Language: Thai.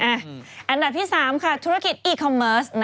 อันดับที่๓ค่ะธุรกิจอีคอมเมิร์ส